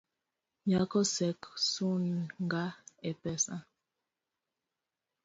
Nyako sek sunga e pesa.